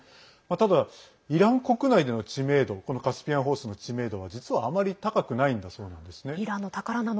ただ、イラン国内での知名度このカスピアンホースの知名度は実は、あまり高くないんだそうなんですね。